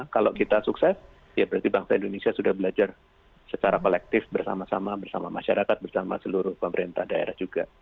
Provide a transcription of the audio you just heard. kalau kita sukses ya berarti bangsa indonesia sudah belajar secara kolektif bersama sama bersama masyarakat bersama seluruh pemerintah daerah juga